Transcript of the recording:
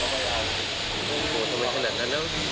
ทำไมขนาดนั้นแล้ว